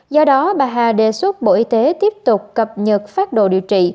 do đó bà hà đề xuất bộ y tế tiếp tục cập nhật phát đồ điều trị